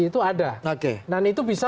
itu ada dan itu bisa